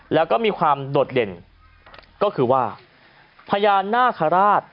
แล้วก็มีความโดดเด่นก็คือว่าพญานาคาราช